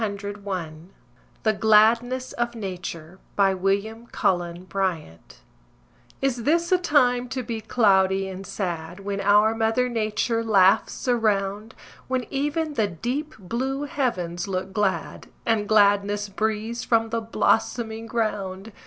LONGFELLOW THE GLADNESS OF NATURE Is this a time to be cloudy and sad, When our mother Nature laughs around; When even the deep blue heavens look glad, And gladness breathes from the blossoming ground?